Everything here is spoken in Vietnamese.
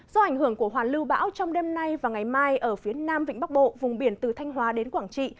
do ảnh hưởng của hoàn lưu bão trong đêm nay và ngày mai ở phía nam vịnh bắc bộ vùng biển từ thanh hóa đến quảng trị